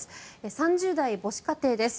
３０代、母子家庭です。